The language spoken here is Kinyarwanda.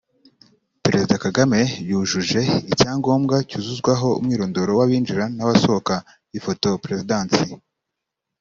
Perezida Kagame yujuje icyangombwa cyuzuzwaho umwirondoro w’abinjira n’abasohoka (Ifoto/Perezidansi)